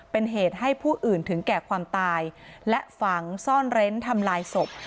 เป็นเหตุให้ผู้อื่นถึงแก่ความตายและฝังซ่อนเร้นทำลายศพ